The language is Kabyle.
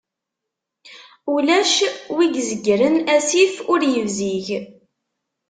Ulac wi izegren asif ur ibzig.